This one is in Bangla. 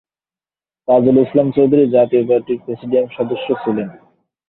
তাজুল ইসলাম চৌধুরী জাতীয় পার্টির প্রেসিডিয়াম সদস্য ছিলেন।